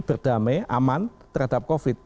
berdamai aman terhadap covid